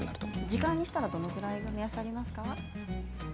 時間にしたらどのぐらいの目安かありますか。